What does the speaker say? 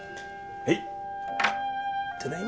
はい。